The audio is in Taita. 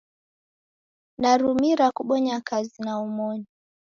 Nerumira kubonya kazi na omoni.